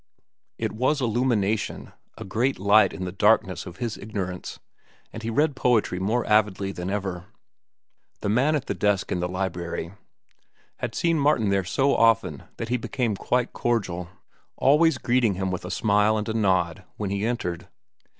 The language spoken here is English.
It was illumination, a great light in the darkness of his ignorance, and he read poetry more avidly than ever. The man at the desk in the library had seen Martin there so often that he had become quite cordial, always greeting him with a smile and a nod when he entered.